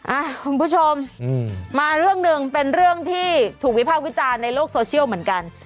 คุณผู้ชมมาเรื่องหนึ่งเป็นเรื่องที่ถูกวิภาควิจารณ์ในโลกโซเชียลเหมือนกัน